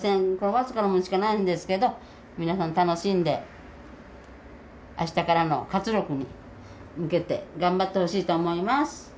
わずかなものしかないんですけど皆さん楽しんで明日からの活力に向けて頑張ってほしいと思います。